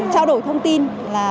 trao đổi thông tin